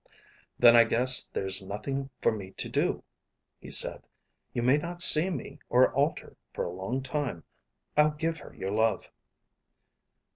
"Then I guess there's nothing for me to do," he said. "You may not see me or Alter for a long time. I'll give her your love."